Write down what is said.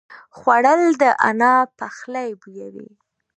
خوړل د انا پخلی بویوي